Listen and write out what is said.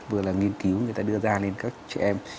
vừa là nghiên cứu người ta đưa ra lên các chị em